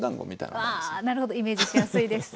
あなるほどイメージしやすいです。